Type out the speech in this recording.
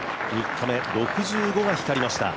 ３日目、６５が光りました。